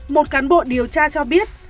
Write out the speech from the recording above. một cán bộ điều tra cho biết